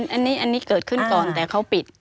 อันนี้เกิดขึ้นก่อนแต่เขาปิด